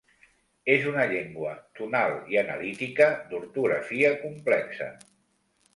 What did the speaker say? És una llengua tonal i analítica d'ortografia complexa.